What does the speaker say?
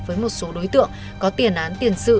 với một số đối tượng có tiền án tiền sự